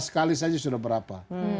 dua belas kali saja sudah berapa